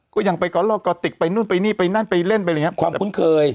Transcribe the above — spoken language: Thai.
ก็ยังไปกอลล่อกอติกไปนู่นไปนี่ไปนั่นไปเล่นไปอะไรอย่างนี้ความคุ้นเคย